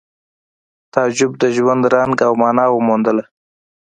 تعجب د ژوند رنګ او مانا وموندله